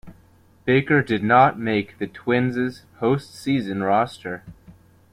Baker did not make the Twins' postseason roster.